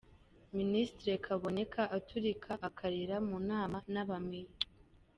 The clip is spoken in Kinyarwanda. -Ministri Kaboneka aturika akarira mu nama n’aba Mayor